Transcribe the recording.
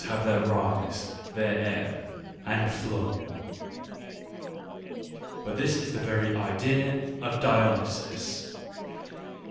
<j have their rise, their ebb and flow." But this is the very idea of Dionysus.